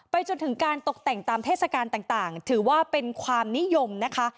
จนถึงการตกแต่งตามเทศกาลต่างถือว่าเป็นความนิยมนะคะ